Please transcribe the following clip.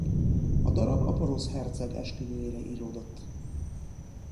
A darab a porosz herceg esküvőjére íródott.